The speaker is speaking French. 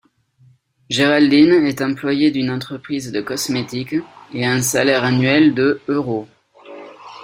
Géraldine est employée d’une entreprise de cosmétique, et a un salaire annuel de euros.